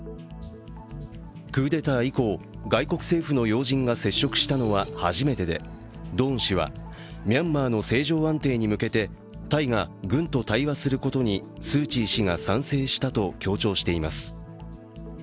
クーデター以降、外国政府の要人が接触したのは初めてでドーン氏はミャンマーの政情安定に向けてタイが軍と対話することにスー・チー氏が賛成したと強調しています。